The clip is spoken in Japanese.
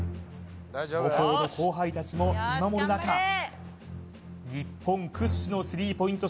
母校の後輩たちも見守る中日本屈指の３ポイント